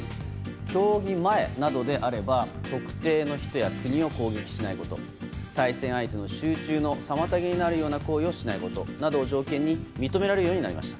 競技前などであれば特定の人や国を攻撃しないこと対戦相手の集中の妨げになる行為をしないことなどを条件に認められることになりました。